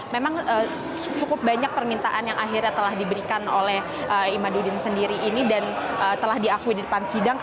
memang cukup banyak permintaan yang akhirnya telah diberikan oleh imadudin sendiri ini dan telah diakui di depan sidang